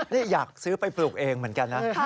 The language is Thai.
นี่อยากซื้อไปปลูกเองเหมือนกันนะ